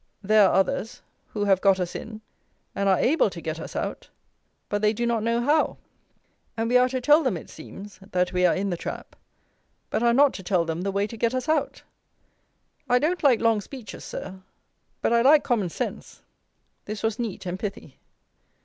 There are others, who have got us in, and are able to get us out, but they do not know how. And we are to tell them, it seems, that we are in the trap; but are not to tell them the way to get us out. I don't like long speeches, Sir; but I like common sense." This was neat and pithy.